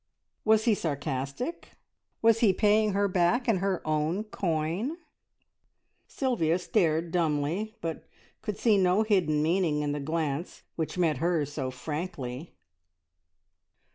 Was he sarcastic? Was he paying her back in her own coin? Sylvia stared dumbly, but could see no hidden meaning in the glance which met hers so frankly.